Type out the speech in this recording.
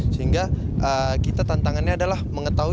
sehingga kita tantangannya adalah mengetahui